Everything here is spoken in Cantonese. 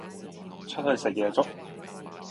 出去食夜粥？